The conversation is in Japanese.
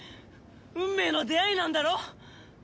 運命の出会いなんだろ？